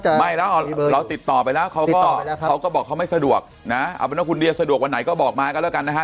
ไม่แล้วเราติดต่อไปแล้วเขาก็เขาก็บอกเขาไม่สะดวกนะเอาเป็นว่าคุณเดียสะดวกวันไหนก็บอกมาก็แล้วกันนะฮะ